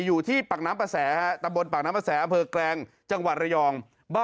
อยู่ที่ปากน้ำประแสตะบนปากน้ำประแสอำเภอแกลงจังหวัดระยอง